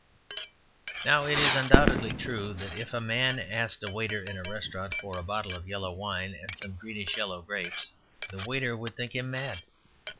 Now, it is undoubtedly true that if a man asked a waiter in a restaurant for a bottle of yellow wine and some greenish yellow grapes, the waiter would think him mad.